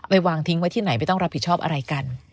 วางทิ้งไว้ที่ไหนไม่ต้องรับผิดชอบอะไรกัน